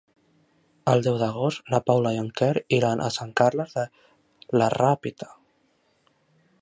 El deu d'agost na Paula i en Quer iran a Sant Carles de la Ràpita.